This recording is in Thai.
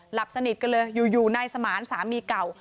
หลับสนิทกันเลยอยู่นายสมานสามีเก่า